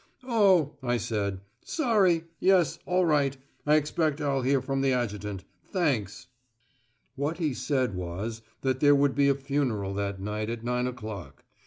"Oh," I said. "Sorry. Yes, all right. I expect I'll hear from the Adjutant. Thanks." What he said was that there would be a funeral that night at nine o'clock.